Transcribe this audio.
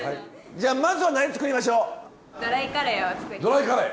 じゃあまずは何作りましょう？